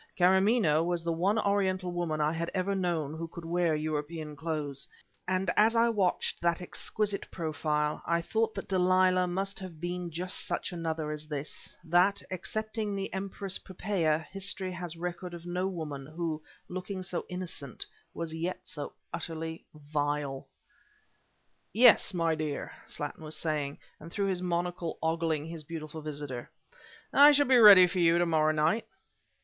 Karamaneh was the one Oriental woman I had ever known who could wear European clothes; and as I watched that exquisite profile, I thought that Delilah must have been just such another as this, that, excepting the Empress Poppaea, history has record of no woman, who, looking so innocent, was yet so utterly vile. "Yes, my dear," Slattin was saying, and through his monocle ogling his beautiful visitor, "I shall be ready for you to morrow night."